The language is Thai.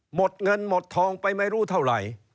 หมดเงินหมดทองไปไม่รู้เท่าไหร่